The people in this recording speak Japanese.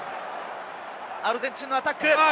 アルゼンチンのアタック！